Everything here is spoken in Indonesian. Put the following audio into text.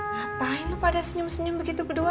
ngapain lo pada senyum senyum begitu berdua